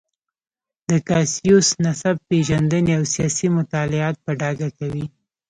د کاسیوس نسب پېژندنې او سیاسي مطالعات په ډاګه کوي.